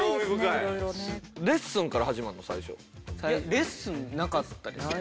レッスンなかったですね。